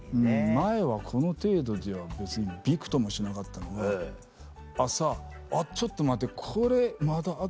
前はこの程度じゃ別にびくともしなかったのに朝あっちょっと待てこれまだ赤い。